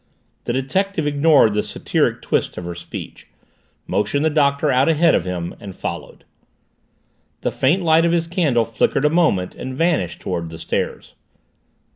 The detective ignored the satiric twist of her speech, motioned the Doctor out ahead of him, and followed. The faint glow of his candle flickered a moment and vanished toward the stairs.